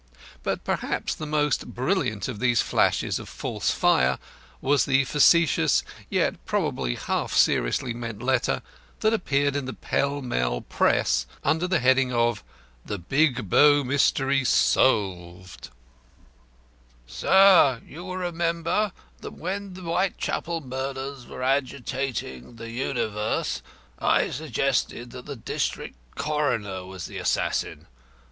But perhaps the most brilliant of these flashes of false fire was the facetious, yet probably half seriously meant letter that appeared in the Pell Mell Press under the heading of "THE BIG BOW MYSTERY SOLVED "Sir, You will remember that when the Whitechapel murders were agitating the universe, I suggested that the district coroner was the assassin.